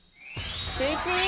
シューイチ！